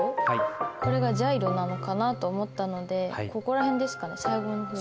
これがジャイロなのかなと思ったのでここら辺ですかね最後の方。